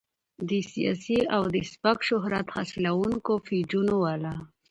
د سياسي او د سپک شهرت حاصلونکو پېجونو والا